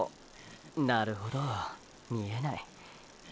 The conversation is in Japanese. なるほど見えない。